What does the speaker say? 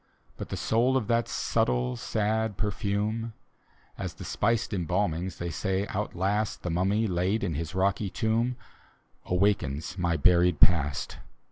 But the soul of that subtle sad perfume, As the spiced embalmings, they say, outlast The mummy laid in his roiiy tomb, Awakens my buried past.